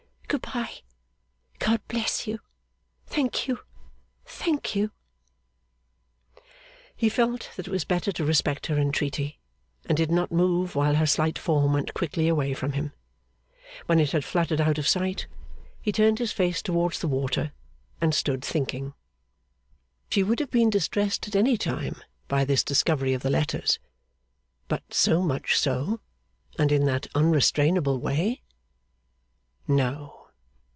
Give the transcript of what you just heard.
Good bye, God bless you. Thank you, thank you.' He felt that it was better to respect her entreaty, and did not move while her slight form went quickly away from him. When it had fluttered out of sight, he turned his face towards the water and stood thinking. She would have been distressed at any time by this discovery of the letters; but so much so, and in that unrestrainable way? No.